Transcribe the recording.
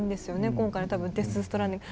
今回の「デス・ストランディング」。